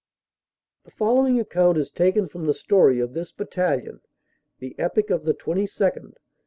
The following account is taken from the story of this Bat talion: "The Epic of the 22nd.